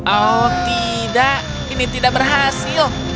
oh tidak ini tidak berhasil